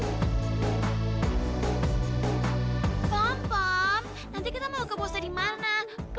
nanti kita mau ke bosta di mana